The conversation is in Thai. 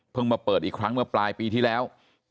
มาเปิดอีกครั้งเมื่อปลายปีที่แล้ว